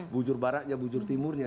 bujur baratnya bujur timurnya